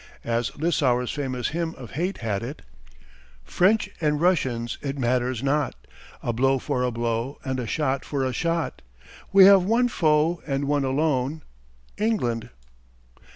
As Lissauer's famous hymn of hate had it French and Russians it matters not, A blow for a blow, and a shot for a shot. ................................. We have one foe and one alone England!